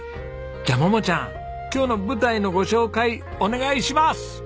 じゃあ桃ちゃん今日の舞台のご紹介お願いします。